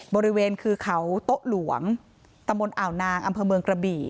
บริเวณคือเขาโต๊ะหลวงตำบลอ่าวนางอำเภอเมืองกระบี่